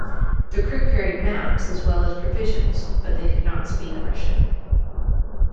The crew carried maps as well as provisions but they could not speak Russian.